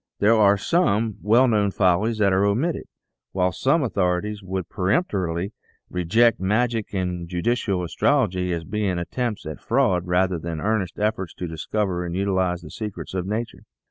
There are some well known follies that are omitted, while some authorities would peremptorily reject Magic and Judicial Astrology as being attempts at fraud rather than earnest efforts to dis cover and utilize the secrets of nature.